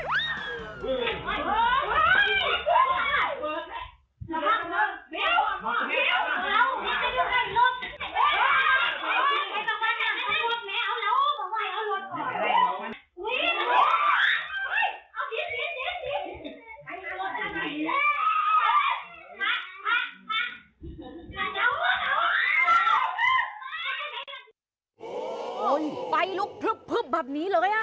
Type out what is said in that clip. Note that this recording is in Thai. โอ้โหไฟลุกพลึบแบบนี้เลยอ่ะ